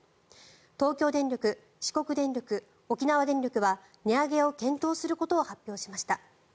東京電力、四国電力、沖縄電力は値上げを検討することを発表しました。